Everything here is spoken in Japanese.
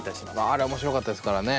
あれ面白かったですからね。